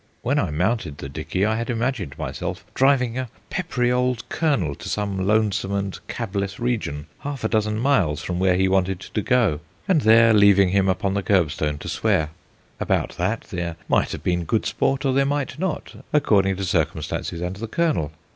When I mounted the dickey I had imagined myself driving a peppery old colonel to some lonesome and cabless region, half a dozen miles from where he wanted to go, and there leaving him upon the kerbstone to swear. About that there might have been good sport or there might not, according to circumstances and the colonel.